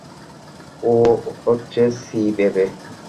ও হচ্ছে সি-বেবে।